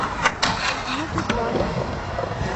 — Ну тудлан...